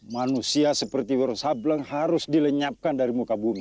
manusia seperti wirosablen harus dilenyapkan dari muka bumi